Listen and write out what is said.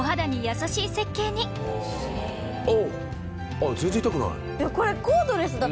あっ全然痛くない。